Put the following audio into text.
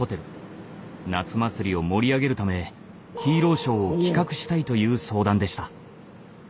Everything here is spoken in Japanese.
夏祭りを盛り上げるためヒーローショーを企画したいという相談でした。